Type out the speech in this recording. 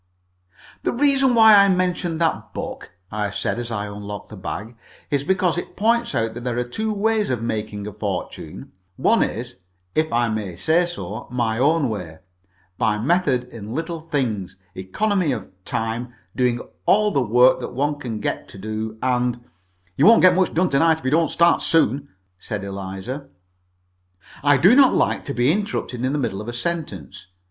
"The reason why I mentioned that book," I said, as I unlocked the bag, "is because it points out that there are two ways of making a fortune. One is, if I may say so, my own way, by method in little things, economy of time, doing all the work that one can get to do, and " "You won't get much done to night, if you don't start soon," said Eliza. "I do not like to be interrupted in the middle of a sentence.